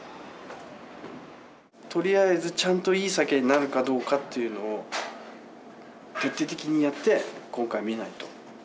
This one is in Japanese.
とりあえずちゃんといい酒になるかどうかっていうのを徹底的にやって今回見ないと。